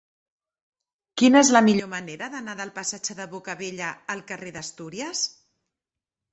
Quina és la millor manera d'anar del passatge de Bocabella al carrer d'Astúries?